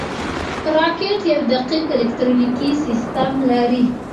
راکټ یو دقیق الکترونیکي سیستم لري